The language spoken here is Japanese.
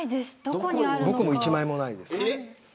僕も１枚もないです。